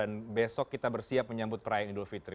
dan besok kita bersiap menyambut raya idul fitri